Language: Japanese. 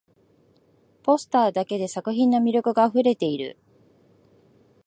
ポスターだけで作品の魅力があふれている